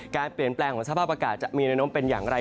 การเปลี่ยนแปลงของสภาพอากาศจะมีแนวโน้มเป็นอย่างไร